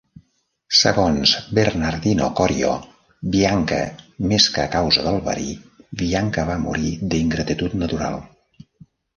Segons Bernardino Corio, Bianca "més que a causa del verí, Bianca va morir d'ingratitut natural".